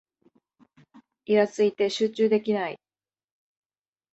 イラついて集中できない